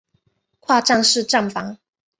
跨站式站房。